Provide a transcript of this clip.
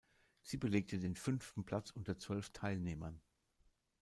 Sie belegte den fünften Platz unter zwölf Teilnehmern.